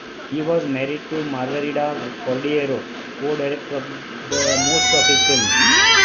He was married to Margarida Cordeiro, co-director of most of his films.